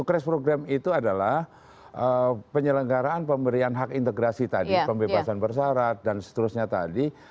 crash program itu adalah penyelenggaraan pemberian hak integrasi tadi pembebasan bersarat dan seterusnya tadi